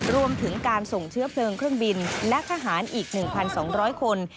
รวมถึงการส่งเชื้อเพลิงเครื่องบินและทหารอีก๑๒๐๐คน